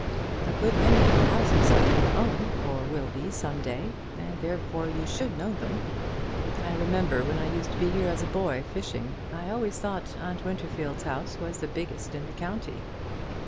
"A good many of the houses are your own, or will be some day; and therefore you should know them." "I remember, when I used to be here as a boy fishing, I always thought Aunt Winterfield's house was the biggest house in the county."